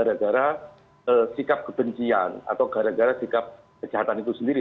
gara gara sikap kebencian atau gara gara sikap kejahatan itu sendiri